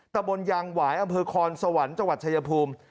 ตะบนยางหวายอำเภอคอนสวรรค์จังหวัดชายภูมิ